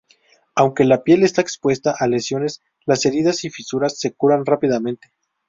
Aunque la piel está expuesta a lesiones, las heridas y fisuras se curan rápidamente.